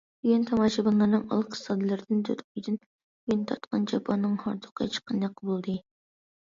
بۈگۈن تاماشىبىنلارنىڭ ئالقىش سادالىرىدىن تۆت ئايدىن بۇيان تارتقان جاپانىڭ ھاردۇقى چىققاندەك بولدى.